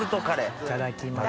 いただきます。